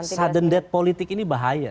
sudden death politik ini bahaya